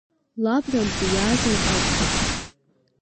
Лабрантәи иаазар акәхап!